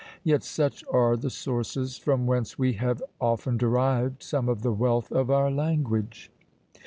Yet such are the sources from whence we have often derived some of the wealth of our language!